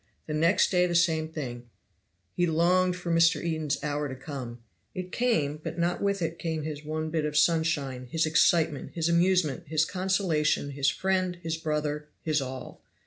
The next day the same thing. He longed for Mr. Eden's hour to come; it came, but not with it came his one bit of sunshine, his excitement, his amusement, his consolation, his friend, his brother, his all.